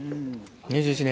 ２１年。